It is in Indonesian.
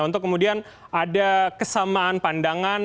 untuk kemudian ada kesamaan pandangan